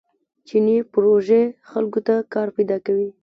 چیني پروژې خلکو ته کار پیدا کوي.